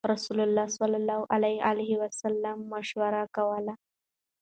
رسول الله صلی الله عليه وسلم مشوره کوله.